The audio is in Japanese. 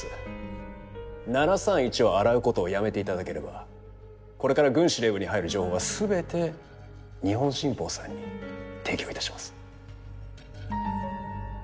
７３１を洗うことをやめていただければこれから軍司令部に入る情報は全て「日本新報」さんに提供いたします。